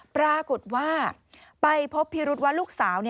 ปรากฏว่าไปพบพิรุษว่าลูกสาว